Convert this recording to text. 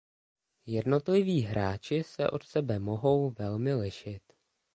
Jednotliví hráči se od sebe mohou velmi lišit.